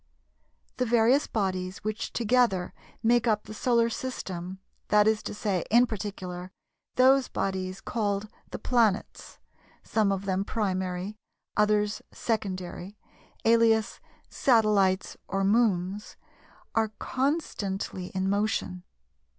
The various bodies which together make up the Solar system, that is to say, in particular, those bodies called the "planets"—some of them "primary," others "secondary" (alias "Satellites" or "Moons")—are constantly in motion.